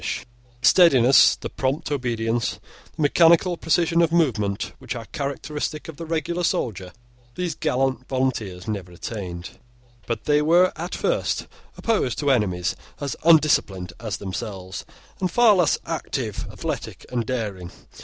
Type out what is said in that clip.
The steadiness, the prompt obedience, the mechanical precision of movement, which are characteristic of the regular soldier, these gallant volunteers never attained. But they were at first opposed to enemies as undisciplined as themselves, and far less active, athletic, and daring.